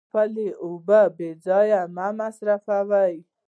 خپلې اوبه بې ځایه مه مصرفوئ.